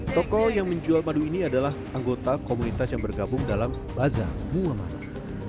toko yang menjual madu ini adalah anggota komunitas yang bergabung dalam baza muhammad